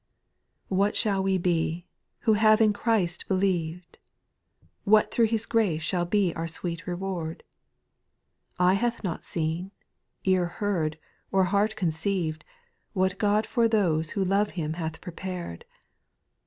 What shall we be, who have in Christ be lieved ? What thro' His grace shall be our sweet reward ? Eye hath not seen, ear heard, or heart con ceived, What God for those who love Him hath prepared.